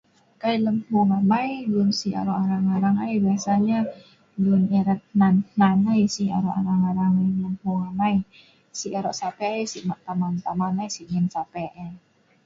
kai lem mhueng amai lun si aro' arang arang ai biasanya lun erat hnan hnan ai si' aro' arang arang ai lem mhueng amai.si aro Sa'pe ai si' ma taman taman ai si' nyein Sa'pe ai